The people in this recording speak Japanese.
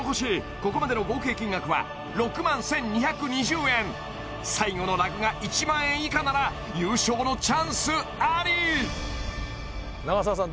ここまでの合計金額は６万１２２０円最後のラグが１万円以下なら優勝のチャンスあり長澤さん